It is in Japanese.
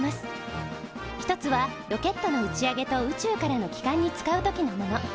一つはロケットの打ち上げと宇宙からの帰還に使う時のもの。